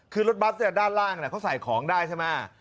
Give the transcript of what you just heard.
คือรถบัสด้านล่างเขาใส่ของได้ใช่ไหม